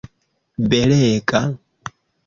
belega